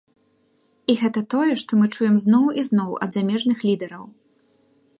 І гэта тое, што мы чуем зноў і зноў ад замежных лідараў.